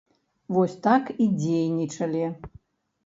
Вось так і дзейнічалі.